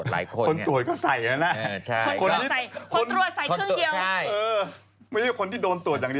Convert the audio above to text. จำได้ก็ไม่เป็นไร